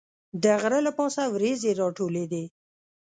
د غره له پاسه وریځې راټولېدې.